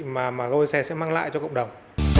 mà goi xe sẽ mang lại cho cộng đồng